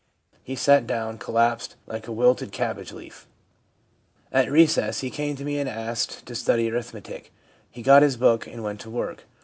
He sat down collapsed, like a wilted cabbage leaf. At recess he came to me and asked to study arithmetic. He got his book and went to work.